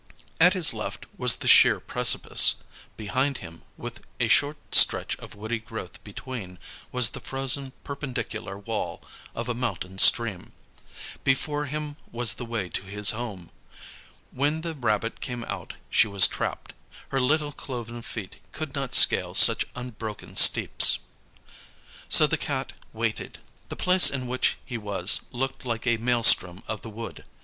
At his left was the sheer precipice. Behind him, with a short stretch of woody growth between, was the frozen perpendicular wall of a mountain stream. Before him was the way to his home. When the rabbit came out she was trapped; her little cloven feet could not scale such unbroken steeps. So the Cat waited. The place in which he was looked like a maelstrom of the wood.